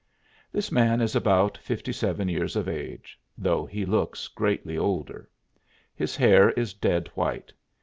This man is about fifty seven years of age, though he looks greatly older. His hair is dead white.